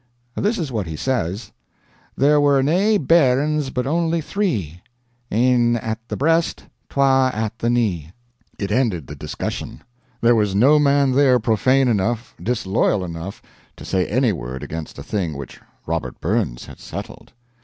"This is what he says: 'There were nae bairns but only three Ane at the breast, twa at the knee.'" It ended the discussion. There was no man there profane enough, disloyal enough, to say any word against a thing which Robert Burns had settled.